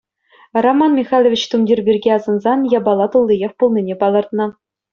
Роман Михайлович тумтир пирки асӑнсан япала туллиех пулнине палӑртнӑ.